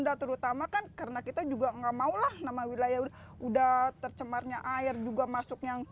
udah terutama kan karena kita juga enggak maulah nama wilayah udah tercemarnya air juga masuk yang